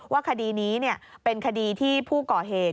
คดีนี้เป็นคดีที่ผู้ก่อเหตุ